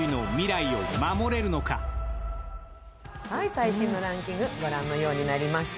最新のランキング、御覧のようになりました。